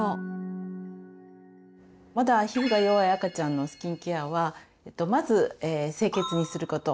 まだ皮膚が弱い赤ちゃんのスキンケアはまず清潔にすること。